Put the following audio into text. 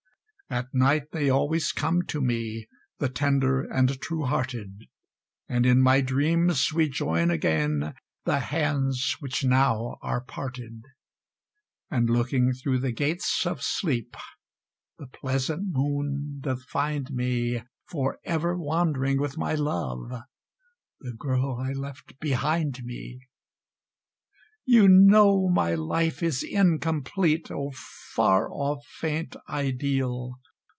At night they always come to me, the tender and true hearted; And in my dreams we join again the hands which now are parted; And, looking through the gates of Sleep, the pleasant Moon doth find me For ever wandering with my Love, the Girl I left behind me. You know my life is incomplete, O far off faint Ideal!